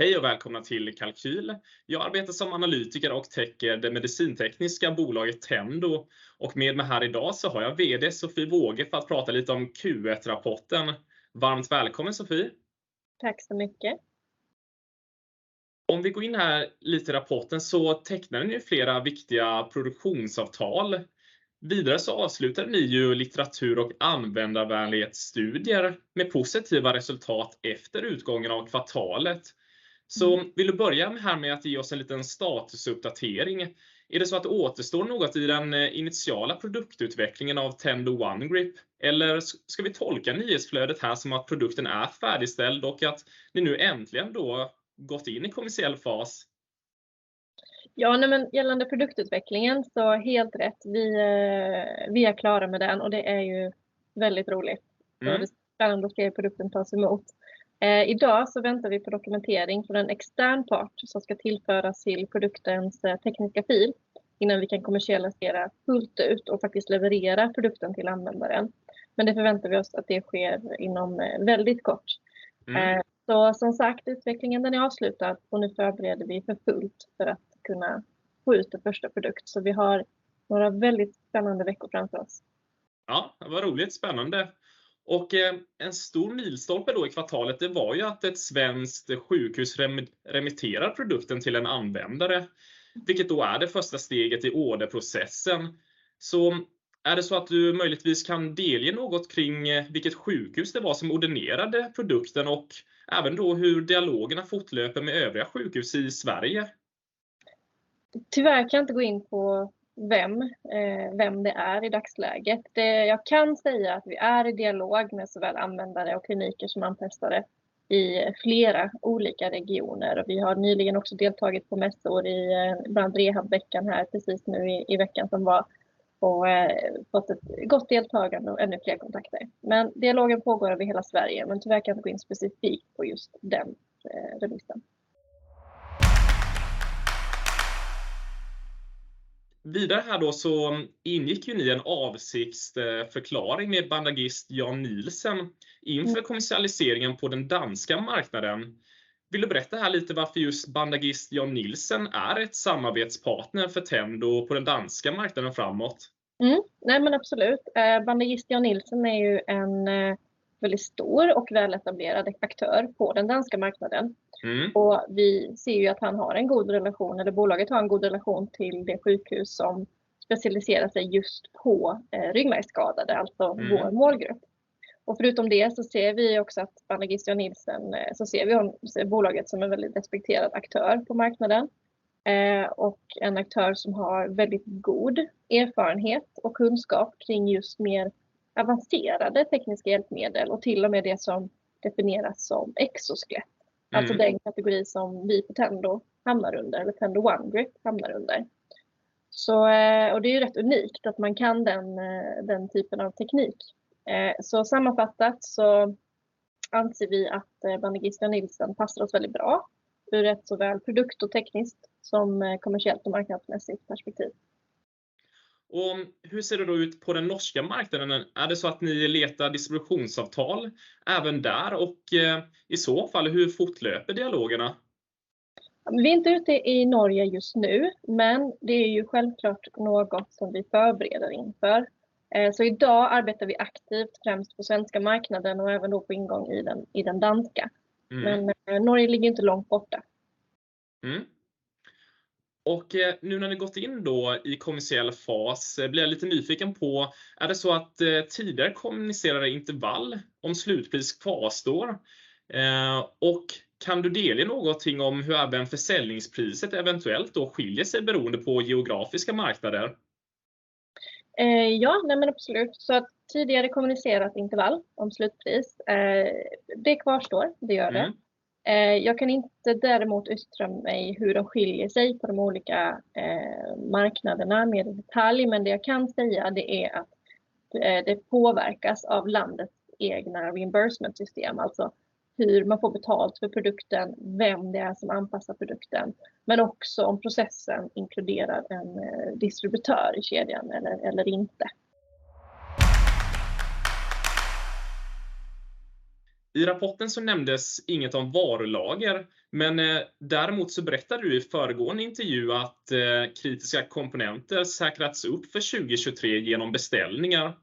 Hej och välkomna till Kalkyl. Jag arbetar som analytiker och täcker det medicintekniska bolaget Tendo. Med mig här i dag så har jag VD Sofie Wåge för att prata lite om Q1-rapporten. Varmt välkommen, Sofie. Tack så mycket. Om vi går in här lite i rapporten tecknar ni ju flera viktiga produktionsavtal. Vidare avslutade ni ju litteratur och användarvänlighetsstudier med positiva resultat efter utgången av kvartalet. Vill du börja med det här med att ge oss en liten statusuppdatering? Är det så att det återstår något i den initiala produktutvecklingen av Tendo OneGrip? Eller ska vi tolka nyhetsflödet här som att produkten är färdigställd och att ni nu äntligen då har gått in i kommersiell fas? Nej men gällande produktutvecklingen så helt rätt. Vi är klara med den och det är ju väldigt roligt. Det är spännande att se hur produkten tas emot. I dag så väntar vi på dokumentering från en extern part som ska tillföras till produktens teknisk fil innan vi kan kommersialisera fullt ut och faktiskt leverera produkten till användaren. Det förväntar vi oss att det sker inom väldigt kort. Som sagt, utvecklingen den är avslutad och nu förbereder vi för fullt för att kunna få ut den första produkten. Vi har några väldigt spännande veckor framför oss. Ja, vad roligt, spännande. En stor milstolpe då i kvartalet, det var ju att ett svenskt sjukhus remitterar produkten till en användare, vilket då är det första steget i orderprocessen. Är det så att du möjligtvis kan delge något kring vilket sjukhus det var som ordinerade produkten och även då hur dialogerna fortlöper med övriga sjukhus i Sverige? Tyvärr kan jag inte gå in på vem det är i dagsläget. Jag kan säga att vi är i dialog med såväl användare och kliniker som anpassade i flera olika regioner. Vi har nyligen också deltagit på mässor i bland Rehabveckan här precis nu i veckan som var. Fått ett gott deltagande och ännu fler kontakter. Dialogen pågår över hela Sverige, men tyvärr kan jag inte gå in specifikt på just den remissen. Vidare här då ingick ju ni en avsiktsförklaring med Bandagist Jan Nielsen inför kommersialiseringen på den danska marknaden. Vill du berätta här lite varför just Bandagist Jan Nielsen är ett samarbetspartner för Tendo på den danska marknaden framåt? Nej, men absolut. Bandagist Jan Nielsen är ju en väldigt stor och väletablerad aktör på den danska marknaden. Vi ser ju att han har en god relation eller bolaget har en god relation till det sjukhus som specialiserar sig just på ryggmärgsskadade, alltså vår målgrupp. Förutom det så ser vi också att Bandagist Jan Nielsen, så ser vi bolaget som en väldigt respekterad aktör på marknaden. En aktör som har väldigt god erfarenhet och kunskap kring just mer avancerade tekniska hjälpmedel och till och med det som definieras som exoskelett. Alltså den kategori som vi på Tendo hamnar under eller Tendo OneGrip hamnar under. Och det är ju rätt unikt att man kan den typen av teknik. Sammanfattat så anser vi att Bandagist Jan Nielsen passar oss väldigt bra ur rätt såväl produkt och tekniskt som kommersiellt och marknadsmässigt perspektiv. Hur ser det då ut på den norska marknaden? Är det så att ni letar distributionsavtal även där och i så fall, hur fortlöper dialogerna? Vi är inte ute i Norge just nu, men det är ju självklart något som vi förbereder inför. I dag arbetar vi aktivt, främst på svenska marknaden och även då på ingång i den danska. Norge ligger inte långt borta. Nu när ni gått in då i kommersiell fas blir jag lite nyfiken på, är det så att tidigare kommunicerade intervall om slutpris kvarstår? Kan du delge någonting om hur även försäljningspriset eventuellt då skiljer sig beroende på geografiska marknader? Ja, nej men absolut. Tidigare kommunicerat intervall om slutpris, det kvarstår. Det gör det. Jag kan inte däremot yttra mig hur de skiljer sig på de olika marknaderna med detalj, men det jag kan säga det är att det påverkas av landets egna reimbursement-system. Alltså hur man får betalt för produkten, vem det är som anpassar produkten, men också om processen inkluderar en distributör i kedjan eller inte. I rapporten så nämndes inget om varulager, men däremot så berättade du i föregående intervju att kritiska komponenter säkrats upp för 2023 igenom beställningar.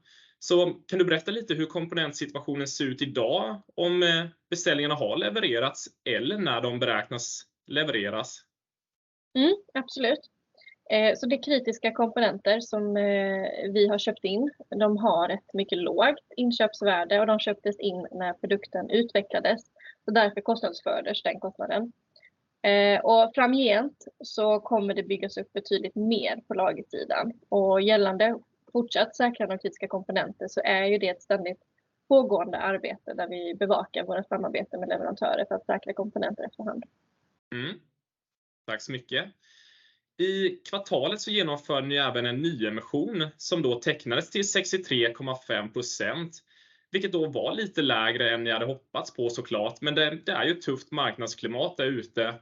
Kan du berätta lite hur komponentsituationen ser ut i dag? Om beställningarna har levererats eller när de beräknas levereras? Absolut. Det är kritiska komponenter som vi har köpt in. De har ett mycket lågt inköpsvärde och de köptes in när produkten utvecklades. Därför kostnadsfördes den kostnaden. Framgent kommer det byggas upp betydligt mer på lagersidan. Gällande fortsatt säkra de kritiska komponenter är ju det ett ständigt pågående arbete där vi bevakar våra samarbeten med leverantörer för att säkra komponenter efter hand. Tack så mycket. I kvartalet genomförde ni även en nyemission som då tecknades till 63.5%, vilket då var lite lägre än ni hade hoppats på så klart, men det är ju ett tufft marknadsklimat där ute.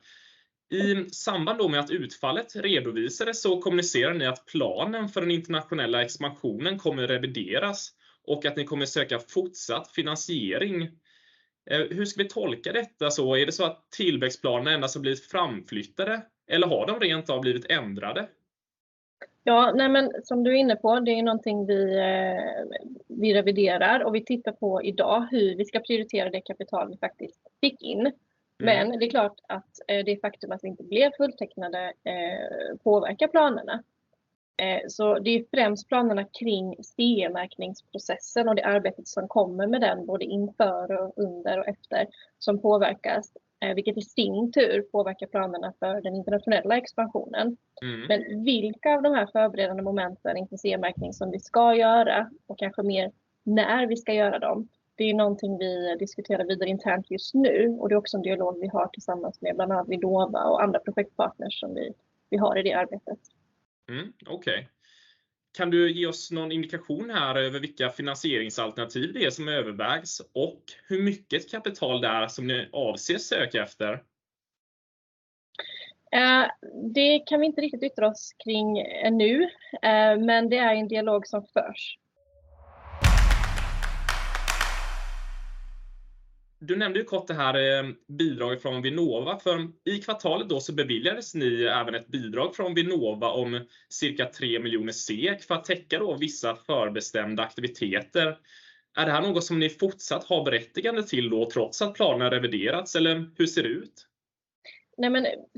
I samband med att utfallet redovisades kommunicerade ni att planen för den internationella expansionen kommer revideras och att ni kommer att söka fortsatt finansiering. Hur ska vi tolka detta så? Är det så att tillväxtplanen endast har blivit framflyttade eller har de rent av blivit ändrade? Som du är inne på, det är någonting vi reviderar och vi tittar på i dag hur vi ska prioritera det kapital vi faktiskt fick in. Det är klart att det faktum att vi inte blev fulltecknade påverkar planerna. Det är främst planerna kring CE-märkningsprocessen och det arbetet som kommer med den både inför och under och efter som påverkas, vilket i sin tur påverkar planerna för den internationella expansionen. Vilka av de här förberedande momenten inför CE-märkning som vi ska göra och kanske mer när vi ska göra dem. Det är någonting vi diskuterar vidare internt just nu och det är också en dialog vi har tillsammans med bland annat Vinnova och andra projektpartners som vi har i det arbetet. Okay. Kan du ge oss någon indikation här över vilka finansieringsalternativ det är som övervägs och hur mycket kapital det är som ni avser söka efter? Det kan vi inte riktigt yttra oss kring nu, men det är en dialog som förs. Du nämnde ju kort det här bidrag från Vinnova. I kvartalet då så beviljades ni även ett bidrag från Vinnova om cirka SEK 3 million för att täcka då vissa förbestämda aktiviteter. Är det här något som ni fortsatt har berättigande till då trots att planen har reviderats? Eller hur ser det ut?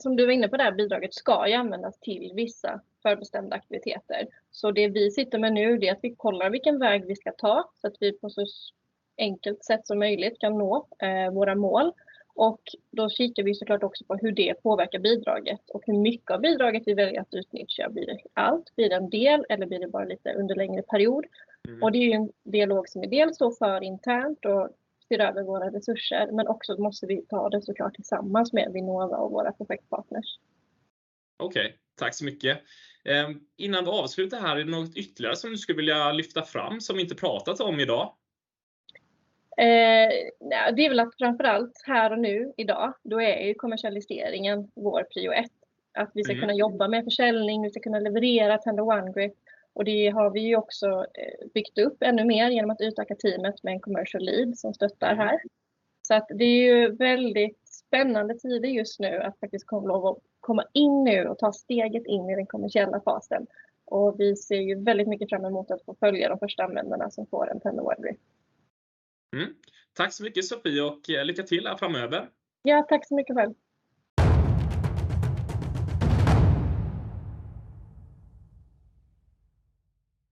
Som du var inne på det här bidraget ska ju användas till vissa förbestämda aktiviteter. Det vi sitter med nu, det är att vi kollar vilken väg vi ska ta så att vi på så enkelt sätt som möjligt kan nå våra mål. Då kikar vi så klart också på hur det påverkar bidraget och hur mycket av bidraget vi väljer att utnyttja. Blir det allt, blir det en del eller blir det bara lite under längre period? Det är ju en dialog som vi dels då för internt och styr över våra resurser, men också måste vi ta det så klart tillsammans med Vinnova och våra projektpartners. Okej, tack så mycket. Innan du avslutar här, är det något ytterligare som du skulle vilja lyfta fram som vi inte pratat om i dag? Det är väl att framför allt här och nu i dag, då är ju kommersialiseringen vår prio ett. Att vi ska kunna jobba med försäljning, vi ska kunna leverera Tendo OneGrip och det har vi ju också byggt upp ännu mer genom att utöka teamet med en commercial lead som stöttar här. Det är ju väldigt spännande tider just nu att faktiskt få lov att komma in nu och ta steget in i den kommersiella fasen. Vi ser ju väldigt mycket fram emot att få följa de första användarna som får en Tendo OneGrip. Tack så mycket Sophie och lycka till här framöver. Ja, tack så mycket själv.